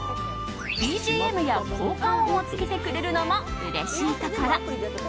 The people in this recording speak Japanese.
ＢＧＭや効果音を付けてくれるのもうれしいところ。